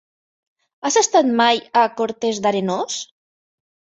Has estat mai a Cortes d'Arenós?